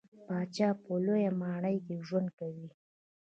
پاچا په لويه ماڼۍ کې ژوند کوي .